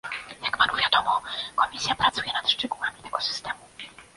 Jak panu wiadomo, Komisja pracuje nad szczegółami tego systemu